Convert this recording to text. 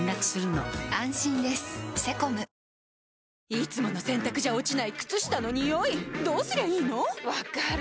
いつもの洗たくじゃ落ちない靴下のニオイどうすりゃいいの⁉分かる。